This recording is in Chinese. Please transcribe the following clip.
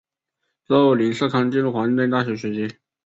之后林瑟康进入华盛顿大学学习。